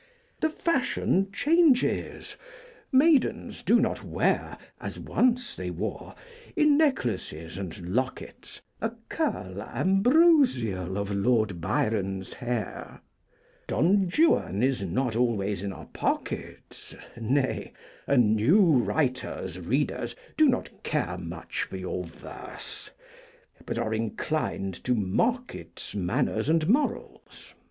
The fashion changes! Maidens do not wear, As once they wore, in necklaces and lockets A curl ambrosial of Lord Byron's hair; 'Don Juan' is not always in our pockets Nay, a NEW WRITER's readers do not care Much for your verse, but are inclined to mock its Manners and morals.